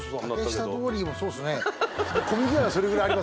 竹下通りそうですね。